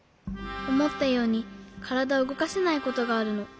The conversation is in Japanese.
おもったようにからだをうごかせないことがあるの。